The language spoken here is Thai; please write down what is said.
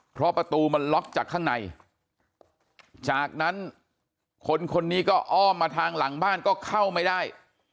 เพราะประตูมันล็อกจากข้างในจากนั้นคนคนนี้ก็อ้อมมาทางหลังบ้านก็เข้าไม่ได้